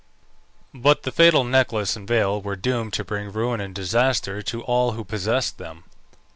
But the fatal necklace and veil were doomed to bring ruin and disaster to all who possessed them.